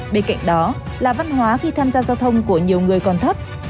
bên cạnh đó là văn hóa khi tham gia giao thông của nhiều người còn thấp